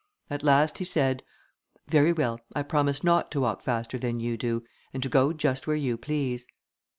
At last he said, "Very well, I promise not to walk faster than you do, and to go just where you please."